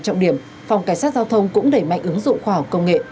trọng điểm phòng cảnh sát giao thông cũng đẩy mạnh ứng dụng khoa học công nghệ